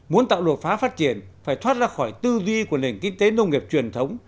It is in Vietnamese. muốn tạo đột phá phát triển phải thoát ra khỏi tư duy của nền kinh tế nông nghiệp truyền thống